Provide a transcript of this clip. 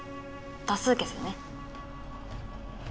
多数決でね。